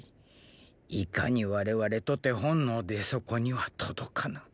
いかに我々とて本能でそこには届かぬ。